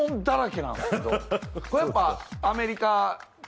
これやっぱ。